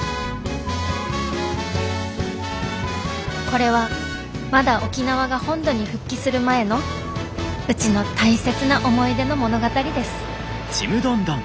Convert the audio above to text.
これはまだ沖縄が本土に復帰する前のうちの大切な思い出の物語ですんっ。